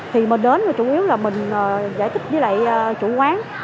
thì mình đến và chủ yếu là mình giải thích với lại chủ quán